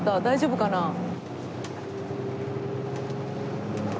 大丈夫かな？